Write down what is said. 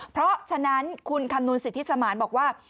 เพราะฉนั้นคุณคำนูนศิษฐีสมาชิบบอกว่า